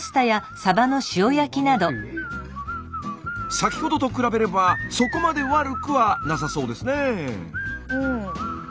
先ほどと比べればそこまで悪くはなさそうですねぇ。